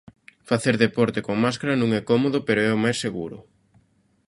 Facer deporte con máscara non é cómodo pero é o máis seguro.